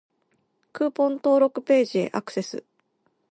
クーポン登録ページへアクセス